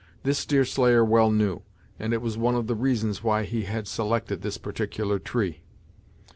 This Deerslayer well knew, and it was one of the reasons why he had selected this particular tree.